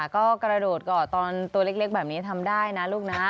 ก็กระโดดเกาะตอนตัวเล็กแบบนี้ทำได้นะลูกนะ